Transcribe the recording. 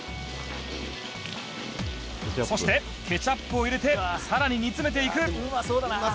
「そしてケチャップを入れて更に煮詰めていく」